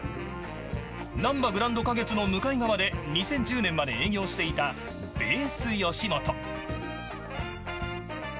なんばグランド花月の向かい側で２０１０年まで営業していたｂａｓｅよしもと。